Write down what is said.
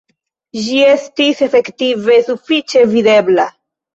Ĝi estis efektive sufiĉe videbla.